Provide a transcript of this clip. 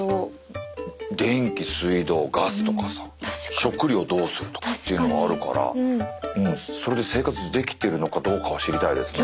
食料をどうするとかっていうのもあるからそれで生活できてるのかどうかを知りたいですね。